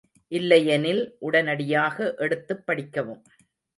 இல்லையெனில் உடனடியாக எடுத்துப் படிக்கவும்.